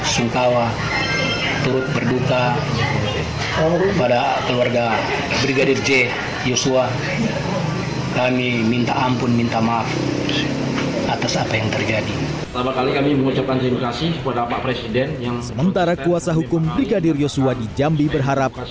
sementara kuasa hukum brigadir yosua di jambi berharap